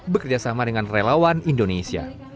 bekerjasama dengan relawan indonesia